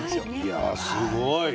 いやすごい。